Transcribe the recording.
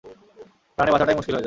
প্রাণে বাঁচাটাই মুশকিল হয়ে যায়!